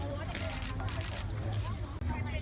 สวัสดีครับคุณผู้ชาย